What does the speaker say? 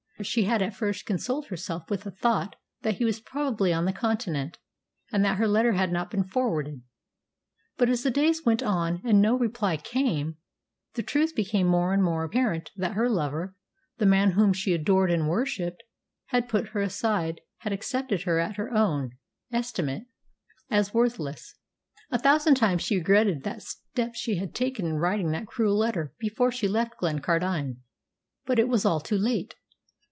She had at first consoled herself with the thought that he was probably on the Continent, and that her letter had not been forwarded. But as the days went on, and no reply came, the truth became more and more apparent that her lover the man whom she adored and worshipped had put her aside, had accepted her at her own estimate as worthless. A thousand times she had regretted the step she had taken in writing that cruel letter before she left Glencardine. But it was all too late.